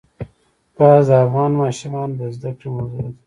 ګاز د افغان ماشومانو د زده کړې موضوع ده.